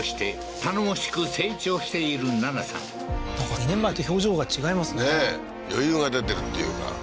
２年前と表情が違いますねねえ余裕が出てるっていうか